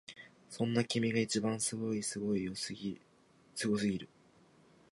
そんな君が一番すごいすごいよすごすぎる！